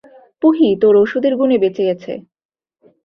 পুহি তোর ওষুধের গুনে বেঁচে গেছে।